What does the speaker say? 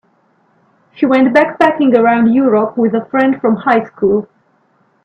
She went backpacking around Europe with a friend from high school.